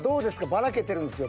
ばらけてるんですよ